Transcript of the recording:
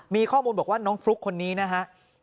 มีข้อมูลบอกว่าน้องฟลุ๊กคนนี้นะฮะ